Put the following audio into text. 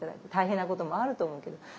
大変なこともあると思うけど。